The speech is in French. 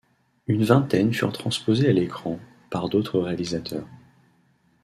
Une vingtaine furent transposées à l'écran, par d'autres réalisateurs.